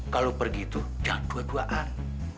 kalau pergi tuh jalan dua duaan